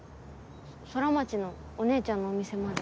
空町のお姉ちゃんのお店まで。